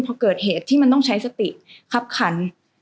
พอเกิดเหตุที่มันต้องใช้สติคับขัน